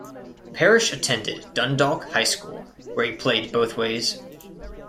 Parrish attended Dundalk High School, where he played both ways.